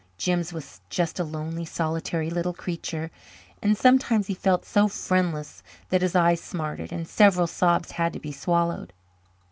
Jims was just a lonely, solitary little creature, and sometimes he felt so friendless that his eyes smarted, and several sobs had to be swallowed.